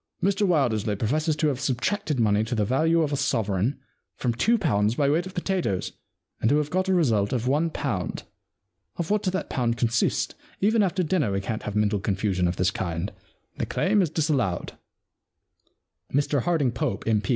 Mr Wil dersley professes to have subtracted money to the value of a sovereign from two pounds by weight of potatoes, and to have got a result of one pound. Of what did that pound 76 The Win and Lose Problem consist ? Even after dinner we can't have mental confusion of this kind. The claim is disallowed.' Mr Harding Pope, M.P.